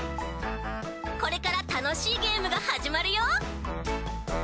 これからたのしいゲームがはじまるよ！